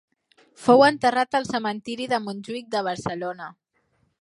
Fou enterrat al cementiri de Montjuïc de Barcelona.